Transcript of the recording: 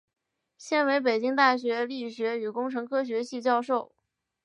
现为北京大学力学与工程科学系教授。